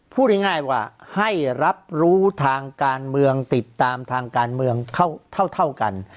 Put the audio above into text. พูดง่ายว่าให้รับรู้ทางการเมืองติดตามทางการเมืองเท่ากัน